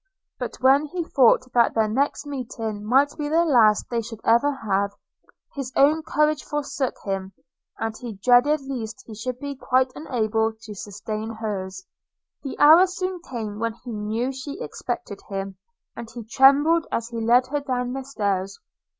But when he thought that their next meeting might be the last they should ever have, his own courage forsook him, and he dreaded lest he should be quite unable to sustain hers. The hour soon came when he knew she expected him; and he trembled as he led her down the stairs.